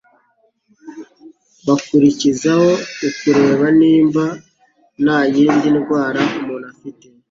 bakurikizaho ukureba niba nta yindi ndwara umuntu afite